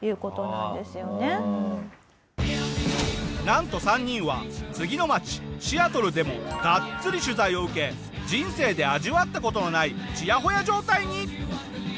なんと３人は次の街シアトルでもがっつり取材を受け人生で味わった事のないチヤホヤ状態に。